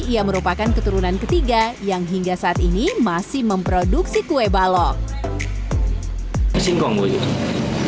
ia merupakan keturunan ketiga yang hingga saat ini masih memproduksi kue balok